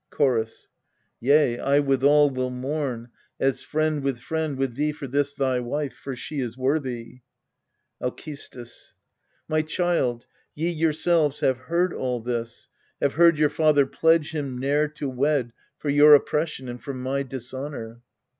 Chorus. Yea, I withal will mourn, as friend with friend With thee for this thy wife, for she is worthy. Alcestis. My children, ye yourselves have hear.d all this, Have heard your father pledge him ne'er to wed For your oppression and for my dishonour.